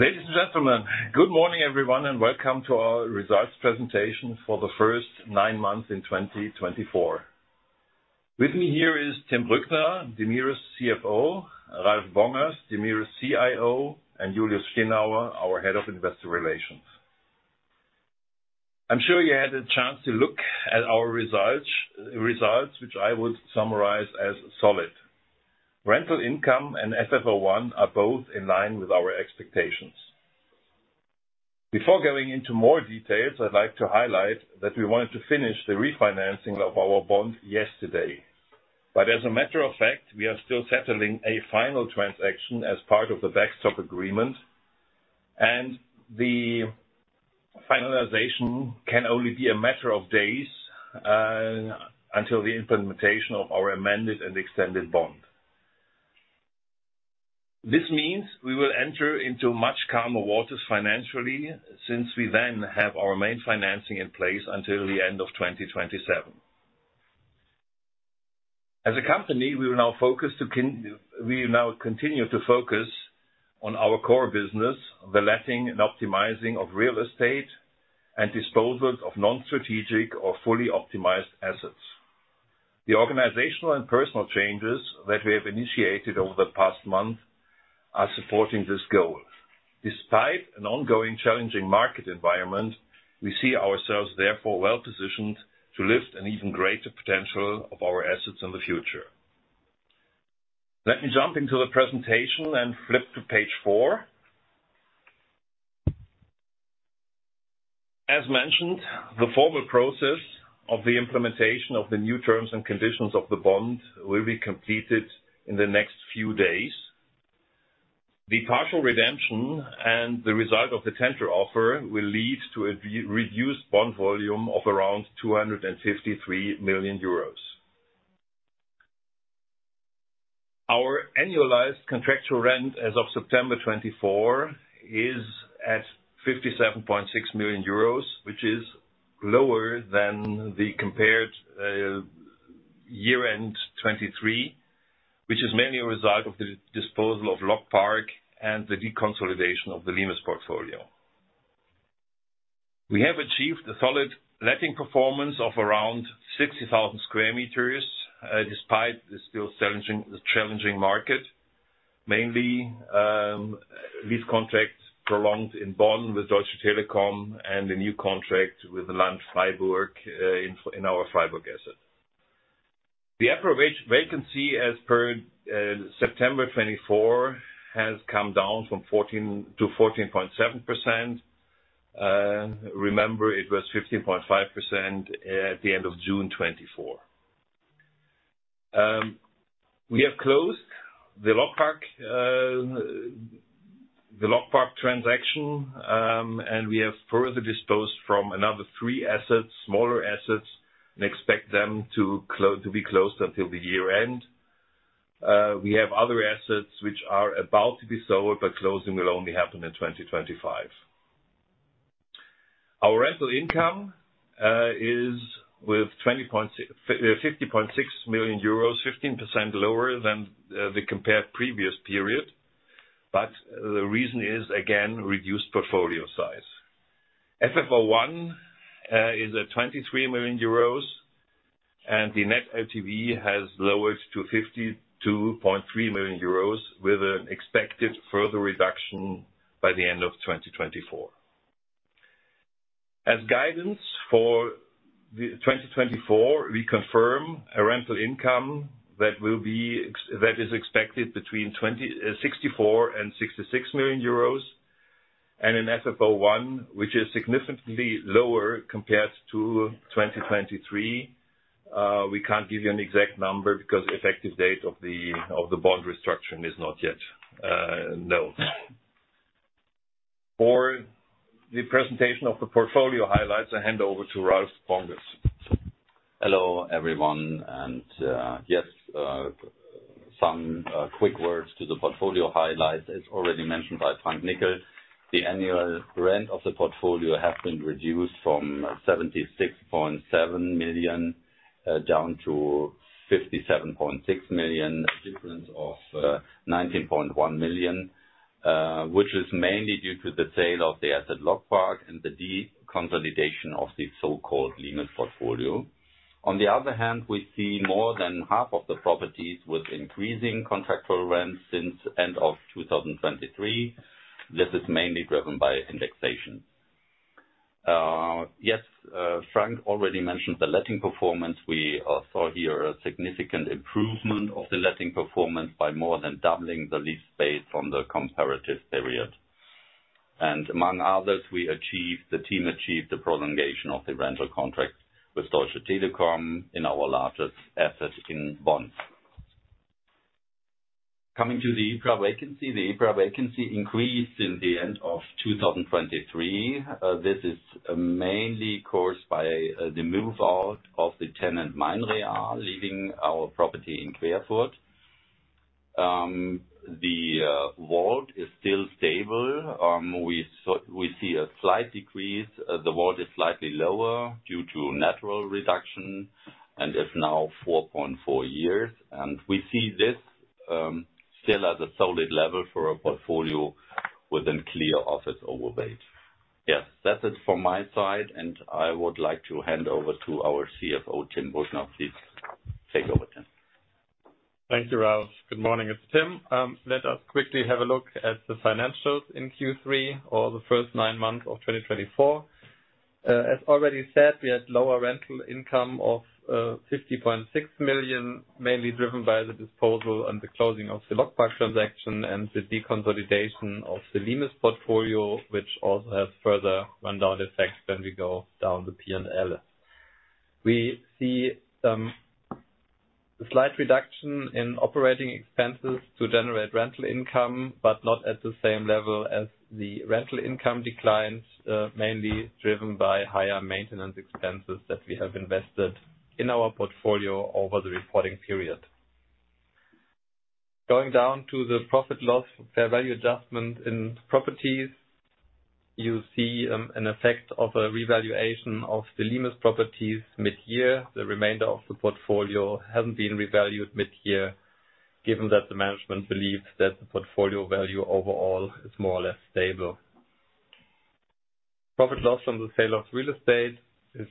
Ladies and gentlemen, good morning everyone, and welcome to our results presentation for the first nine months in 2024. With me here is Tim Brückner, DEMIRE's CFO, Ralf Bongers, DEMIRE's CIO, and Julius Stinauer, our Head of Investor Relations. I'm sure you had a chance to look at our results, which I would summarize as solid. Rental income and FFO l are both in line with our expectations. Before going into more details, I'd like to highlight that we wanted to finish the refinancing of our bond yesterday, but as a matter of fact, we are still settling a final transaction as part of the backstop agreement, and the finalization can only be a matter of days until the implementation of our amended and extended bond. This means we will enter into much calmer waters financially since we then have our main financing in place until the end of 2027. As a company, we will now focus to, we will now continue to focus on our core business, the letting and optimizing of real estate and disposal of non-strategic or fully optimized assets. The organizational and personal changes that we have initiated over the past month are supporting this goal. Despite an ongoing challenging market environment, we see ourselves therefore well positioned to lift an even greater potential of our assets in the future. Let me jump into the presentation and flip to page four. As mentioned, the formal process of the implementation of the new terms and conditions of the bond will be completed in the next few days. The partial redemption and the result of the tender offer will lead to a reduced bond volume of around 253 million euros. Our annualized contractual rent as of September 2024 is at 57.6 million euros, which is lower than the compared year-end 2023, which is mainly a result of the disposal of LogPark and the deconsolidation of the Limes Portfolio. We have achieved a solid letting performance of around 60,000 square meters despite the still challenging market, mainly lease contracts prolonged in Bonn with Deutsche Telekom and the new contract with the Land Freiburg in our Freiburg asset. The EPRA vacancy, as per September 2024, has come down from 14% to 14.7%. Remember, it was 15.5% at the end of June 2024. We have closed the LogPark transaction, and we have further disposed of another three assets, smaller assets, and expect them to be closed until the year-end. We have other assets which are about to be sold, but closing will only happen in 2025. Our rental income is with 50.6 million euros, 15% lower than the compared previous period, but the reason is, again, reduced portfolio size. FFO1 is at 23 million euros, and the net LTV has lowered to 52.3% with an expected further reduction by the end of 2024. As guidance for 2024, we confirm a rental income that is expected between 64 million and 66 million euros, and an FFO1, which is significantly lower compared to 2023. We can't give you an exact number because the effective date of the bond restructuring is not yet known. For the presentation of the portfolio highlights, I hand over to Ralf Bongers. Hello, everyone. Yes, some quick words to the portfolio highlights. As already mentioned by Frank Nickel, the annual rent of the portfolio has been reduced from 76.7 million down to 57.6 million, a difference of 19.1 million, which is mainly due to the sale of the asset LogPark and the deconsolidation of the so-called Limes Portfolio. On the other hand, we see more than half of the properties with increasing contractual rent since the end of 2023. This is mainly driven by indexation. Yes, Frank already mentioned the letting performance. We saw here a significant improvement of the letting performance by more than doubling the lease space from the comparative period. And among others, we achieved the prolongation of the rental contract with Deutsche Telekom in our largest asset in Bonn. Coming to the EPRA vacancy, the EPRA vacancy increased in the end of 2023. This is mainly caused by the move out of the tenant Mein Real, leaving our property in Querfurt. The WALT is still stable. We see a slight decrease. The WALT is slightly lower due to natural reduction and is now 4.4 years. We see this still as a solid level for a portfolio with a clear office overweight. Yes, that's it from my side, and I would like to hand over to our CFO, Tim Brückner. Please take over, Tim. Thank you, Ralf. Good morning. It's Tim. Let us quickly have a look at the financials in Q3 or the first nine months of 2024. As already said, we had lower rental income of 50.6 million, mainly driven by the disposal and the closing of the LogPark transaction and the deconsolidation of the Limes Portfolio, which also has further rundown effects when we go down the P&L. We see a slight reduction in operating expenses to generate rental income, but not at the same level as the rental income declined, mainly driven by higher maintenance expenses that we have invested in our portfolio over the reporting period. Going down to the profit and loss fair value adjustment in properties, you see an effect of a revaluation of the Limes properties mid-year. The remainder of the portfolio hasn't been revalued mid-year, given that the management believes that the portfolio value overall is more or less stable. Profit loss from the sale of real estate is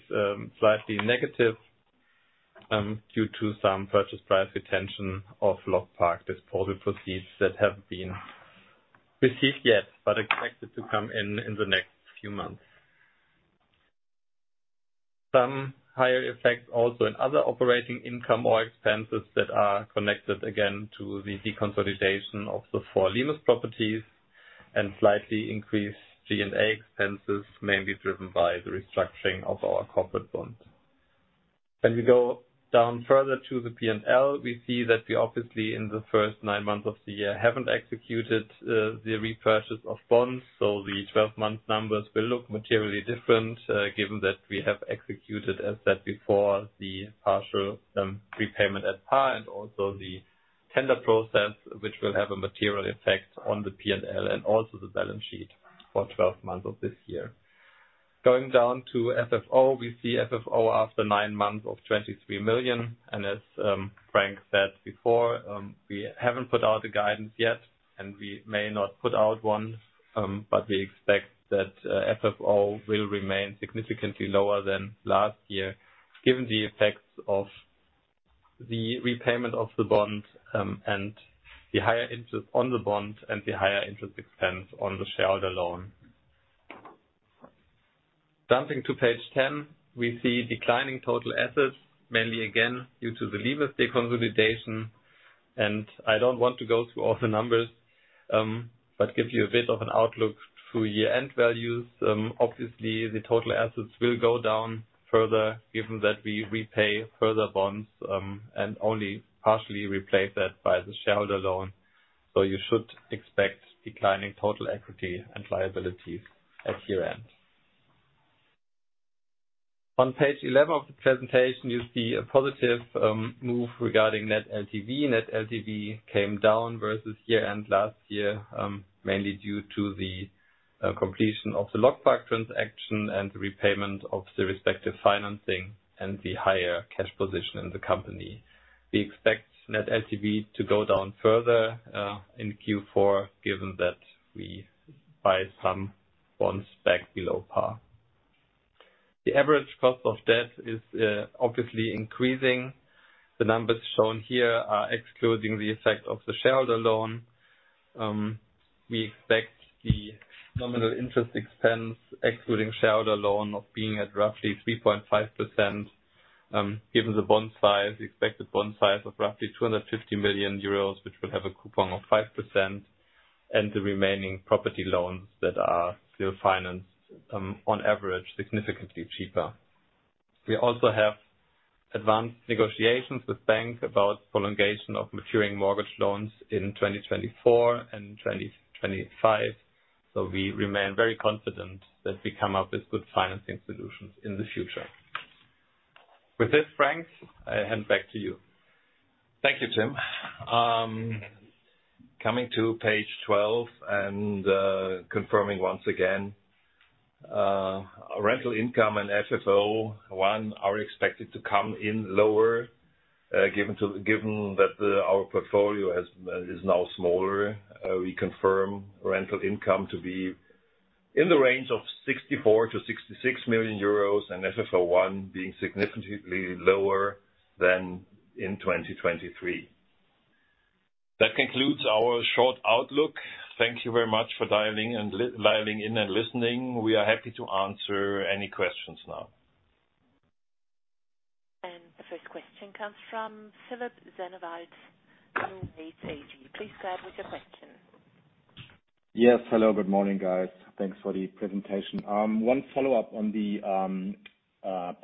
slightly negative due to some purchase price retention of LogPark disposal proceeds that haven't been received yet, but expected to come in in the next few months. Some higher effects also in other operating income or expenses that are connected again to the deconsolidation of the four Limes properties and slightly increased G&A expenses, mainly driven by the restructuring of our corporate bond. When we go down further to the P&L, we see that we obviously, in the first nine months of the year, haven't executed the repurchase of bonds, so the 12-month numbers will look materially different, given that we have executed, as said before, the partial repayment at par and also the tender process, which will have a material effect on the P&L and also the balance sheet for 12 months of this year. Going down to FFO, we see FFO after nine months of 23 million. And as Frank said before, we haven't put out a guidance yet, and we may not put out one, but we expect that FFO will remain significantly lower than last year, given the effects of the repayment of the bond and the higher interest on the bond and the higher interest expense on the shareholder loan. Jumping to page 10, we see declining total assets, mainly again due to the Limes deconsolidation. And I don't want to go through all the numbers, but give you a bit of an outlook through year-end values. Obviously, the total assets will go down further, given that we repay further bonds and only partially replace that by the shareholder loan. So you should expect declining total equity and liabilities at year-end. On page 11 of the presentation, you see a positive move regarding net LTV. Net LTV came down versus year-end last year, mainly due to the completion of the LogPark transaction and the repayment of the respective financing and the higher cash position in the company. We expect net LTV to go down further in Q4, given that we buy some bonds back below par. The average cost of debt is obviously increasing. The numbers shown here are excluding the effect of the shareholder loan. We expect the nominal interest expense, excluding shareholder loan, of being at roughly 3.5%, given the bond size, the expected bond size of roughly 250 million euros, which will have a coupon of 5%, and the remaining property loans that are still financed on average significantly cheaper. We also have advanced negotiations with the bank about prolongation of maturing mortgage loans in 2024 and 2025, so we remain very confident that we come up with good financing solutions in the future. With this, Frank, I hand back to you. Thank you, Tim. Coming to page 12 and confirming once again, rental income and FFO1 are expected to come in lower, given that our portfolio is now smaller. We confirm rental income to be in the range of EUR64-EUR66 million and FFO1 being significantly lower than in 2023. That concludes our short outlook. Thank you very much for dialing in and listening. We are happy to answer any questions now. The first question comes from Philipp Sennewald, NuWays AG. Please go ahead with your question. Yes, hello. Good morning, guys. Thanks for the presentation. One follow-up on the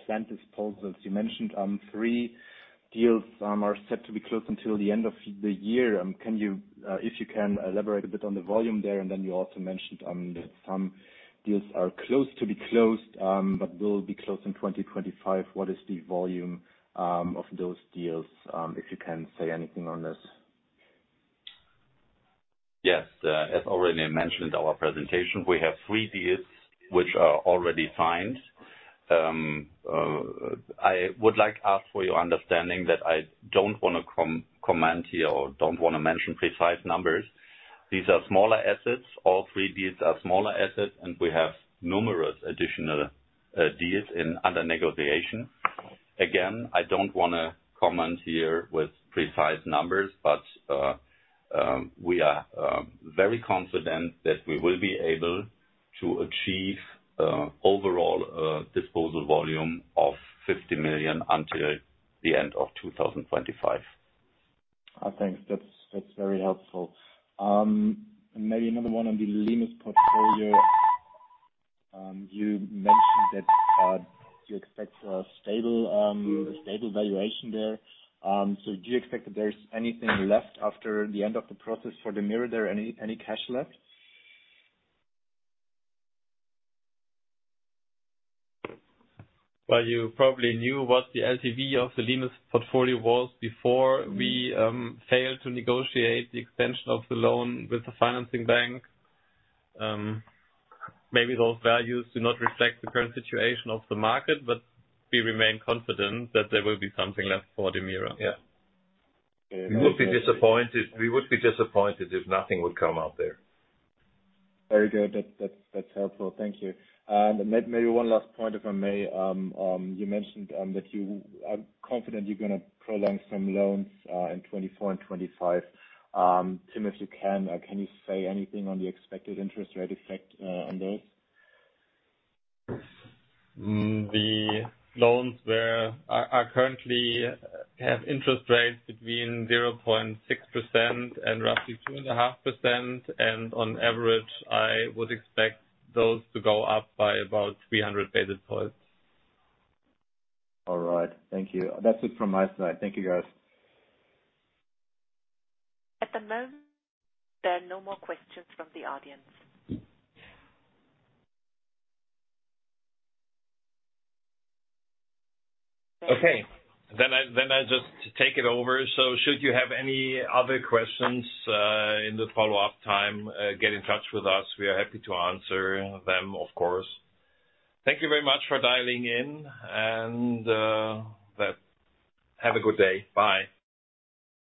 planned disposals. You mentioned three deals are set to be closed until the end of the year. If you can elaborate a bit on the volume there, and then you also mentioned that some deals are close to be closed but will be closed in 2025. What is the volume of those deals? If you can say anything on this? Yes. As already mentioned in our presentation, we have three deals which are already signed. I would like to ask for your understanding that I don't want to comment here or don't want to mention precise numbers. These are smaller assets. All three deals are smaller assets, and we have numerous additional deals under negotiation. Again, I don't want to comment here with precise numbers, but we are very confident that we will be able to achieve overall disposal volume of 50 million until the end of 2025. Thanks. That's very helpful. And maybe another one on the Limes portfolio. You mentioned that you expect a stable valuation there. So do you expect that there's anything left after the end of the process for DEMIRE? Any cash left? You probably knew what the LTV of the Limes Portfolio was before we failed to negotiate the extension of the loan with the financing bank. Maybe those values do not reflect the current situation of the market, but we remain confident that there will be something left for the DEMIRE. Yeah. We would be disappointed. We would be disappointed if nothing would come out there. Very good. That's helpful. Thank you. And maybe one last point, if I may. You mentioned that you are confident you're going to prolong some loans in 2024 and 2025. Tim, if you can, can you say anything on the expected interest rate effect on those? The loans currently have interest rates between 0.6% and roughly 2.5%, and on average, I would expect those to go up by about 300 basis points. All right. Thank you. That's it from my side. Thank you, guys. At the moment, there are no more questions from the audience. Okay. Then I'll just take it over. So should you have any other questions in the follow-up time, get in touch with us. We are happy to answer them, of course. Thank you very much for dialing in. And have a good day. Bye.